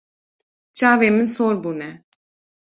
Çavên min sor bûne.